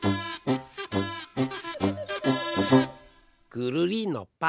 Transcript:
くるりんのぱ！